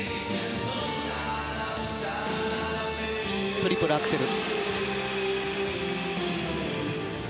トリプルアクセル。